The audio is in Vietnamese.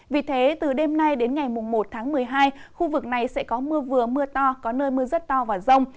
vì thế từ đêm nay đến ngày một tháng một mươi hai khu vực này sẽ có mưa vừa mưa to có nơi mưa rất to và rông